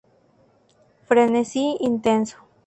Frenesí intenso.